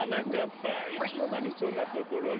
ぱいつのまにそんなところに？